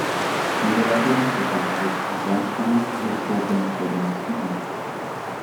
Niederlassungen befanden sich in Dirmstein, Ilshofen, Bregenz und Wien.